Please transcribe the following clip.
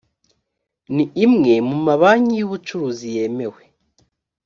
ni imwe mu mabanki y’ubucuruzi yemewe